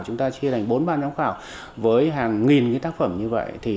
chúng ta chia thành bốn ban giám khảo với hàng nghìn tác phẩm như vậy